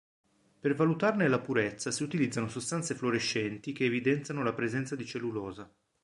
Per valutarne la purezza si utilizzano sostanze fluorescenti che evidenziano la presenza di cellulosa.